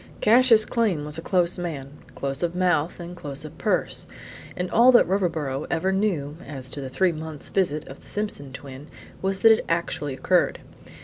Cassius Came was a close man, close of mouth and close of purse; and all that Riverboro ever knew as to the three months' visit of the Simpson twin was that it actually occurred.